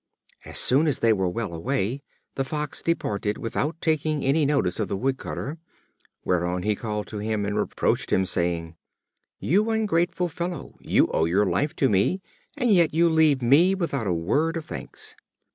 As soon as they were well away, the Fox departed without taking any notice of the Wood cutter; whereon he called to him, and reproached him, saying: "You ungrateful fellow, you owe your life to me, and yet you leave me without a word of thanks."